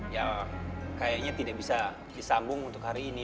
ya kayaknya tidak bisa disambung untuk hari ini